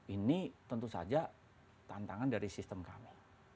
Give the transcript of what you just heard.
ini tentu saja tantangan dari sistem kami